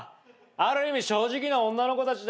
ある意味正直な女の子たちだよね。